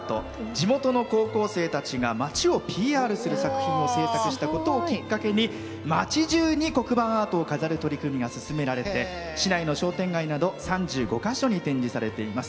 地元の高校生たちが町をＰＲする絵を描いたことがきっかけに、町じゅうに黒板アートを飾る取り組みが進められて市内の商店街など３５か所に展示されています。